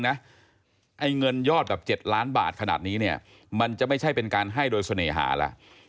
ไอ้เงินยอดแบบ๗ล้านบาทขนาดนี้เนี่ยมันจะไม่ใช่เป็นการให้โดยเสน่หาแล้ว